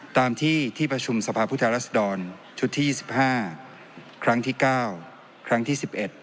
ตามที่ที่ประชุมสภาพผู้แทนรัศดรชุดที่๒๕ครั้งที่๙ครั้งที่๑๑